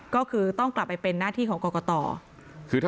ก็คือต้องกลับไปเป็นหน้าที่ของกรกต